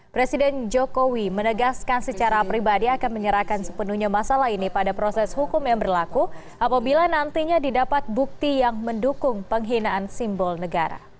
presiden jokowi menegaskan secara pribadi akan menyerahkan sepenuhnya masalah ini pada proses hukum yang berlaku apabila nantinya didapat bukti yang mendukung penghinaan simbol negara